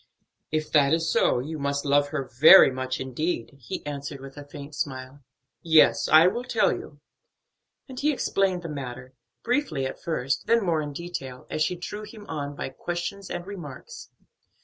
"If that is so, you must love her very much indeed," he answered with a faint smile. "Yes, I will tell you." And he explained the matter; briefly at first, then more in detail, as she drew him on by questions and remarks.